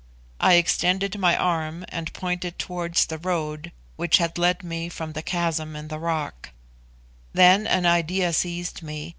I extended my arm, and pointed towards the road which had led me from the chasm in the rock; then an idea seized me.